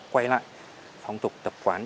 quay lại phong tục tập quán